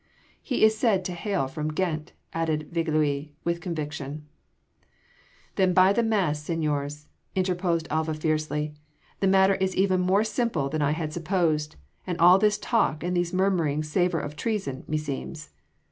"He is said to hail from Ghent," added Viglius with conviction. "Then by the Mass, seigniors," interposed Alva fiercely, "the matter is even more simple than I had supposed, and all this talk and these murmurings savour of treason, meseems.